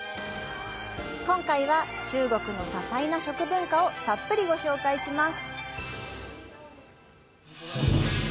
今回は、中国の多彩な食文化をたっぷりご紹介します。